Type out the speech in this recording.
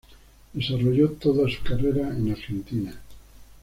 Desarrolló toda su carrera en Argentina.